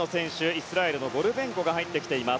イスラエルのゴルベンコが入ってきています。